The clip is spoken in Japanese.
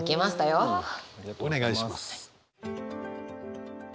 お願いします。